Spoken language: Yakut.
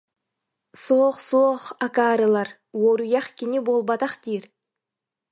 Суох, суох, акаарылар, уоруйах кини буолбатах диир